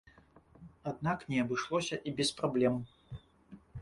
Аднак не абышлося і без праблем.